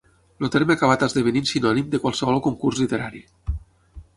El terme ha acabat esdevenint sinònim de qualsevol concurs literari.